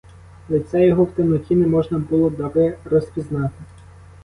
Лиця його в темноті не можна було добре розпізнати.